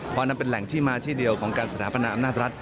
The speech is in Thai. เพราะนั่นเป็นแหล่งที่มาที่เดียวของการสถาปนาอำนาจรัฐ